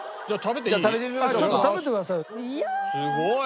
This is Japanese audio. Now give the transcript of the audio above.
じゃあ食べてみましょうか。